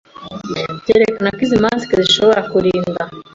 byerekana ko izi 'mask' zishobora kurinda